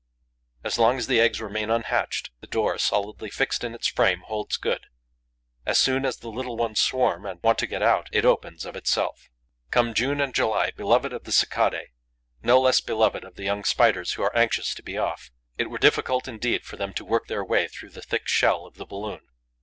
As long as the eggs remain unhatched, the door, solidly fixed in its frame, holds good; as soon as the little ones swarm and want to get out, it opens of itself. Come June and July, beloved of the Cicadae, no less beloved of the young Spiders who are anxious to be off. It were difficult indeed for them to work their way through the thick shell of the balloon.